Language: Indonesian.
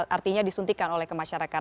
artinya disuntikan oleh kemasyarakat